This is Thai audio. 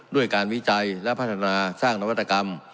ด้วยการวิจัยและพัฒนาสร้างนวัตกรรม